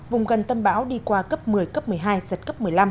vùng gần tâm bão đi qua cấp một mươi cấp một mươi hai giật cấp một mươi năm